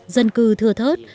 dân cư thưa thớt